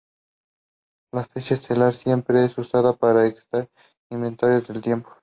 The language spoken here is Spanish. La fecha estelar siempre es usada para expresar intervalos de tiempo.